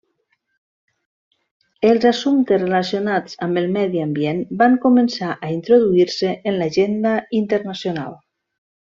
Els assumptes relacionats amb el medi ambient van començar a introduir-se en l'agenda internacional.